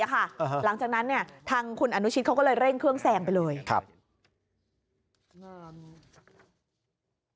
หลังจากนั้นเนี่ยทางคุณอนุชิตเขาก็เลยเร่งเครื่องแซงไปเลยครับ